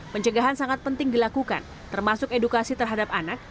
pencegahan sangat penting dilakukan termasuk edukasi terhadap anak